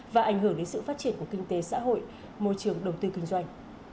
và ảnh hưởng đến sự phát triển của kinh tế xã hội môi trường đầu tư kinh doanh